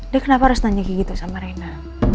dia kenapa harus nanya gitu sama reina